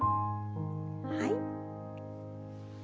はい。